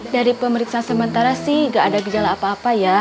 dari pemeriksaan sementara sih nggak ada gejala apa apa ya